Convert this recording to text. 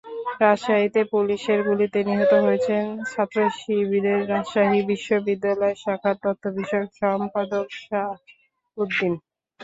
রাজশাহীতে পুলিশের গুলিতে নিহত হয়েছেন ছাত্রশিবিরের রাজশাহী বিশ্ববিদ্যালয় শাখার তথ্যবিষয়ক সম্পাদক শাহবুদ্দিন।